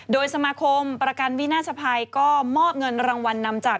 โดยสมาคมประกันวินาศภัยก็มอบเงินรางวัลนำจับ